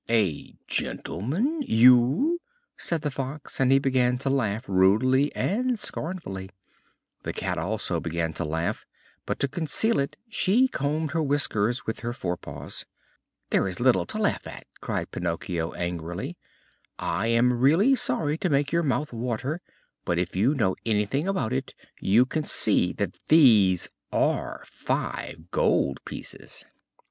"A gentleman you!" said the Fox, and he began to laugh rudely and scornfully. The Cat also began to laugh, but to conceal it she combed her whiskers with her forepaws. [Illustration: Splash! Splash! They fell Into the Very Middle of the Ditch] "There is little to laugh at," cried Pinocchio angrily. "I am really sorry to make your mouth water, but if you know anything about it, you can see that these are five gold pieces."